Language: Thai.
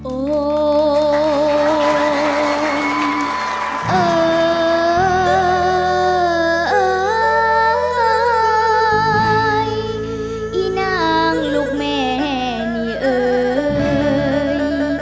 โอ๊ยเอ่ยอีนางลูกแม่นี่เอ่ย